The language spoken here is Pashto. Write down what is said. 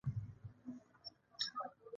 آیا چیرې چې جهالت نه وي؟